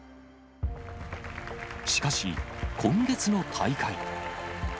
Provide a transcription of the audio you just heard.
しかし、今月の大会。